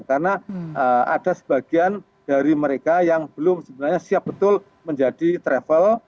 karena ada sebagian dari mereka yang belum sebenarnya siap betul menjadi travel